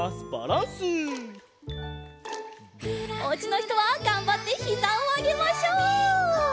おうちのひとはがんばってひざをあげましょう！